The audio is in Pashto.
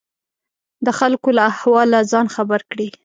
د خلکو له احواله ځان خبر کړي.